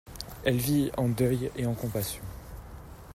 Elle le vit en deuil et en compassion.